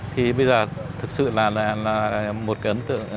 thì bây giờ thực sự là một cái ấn tượng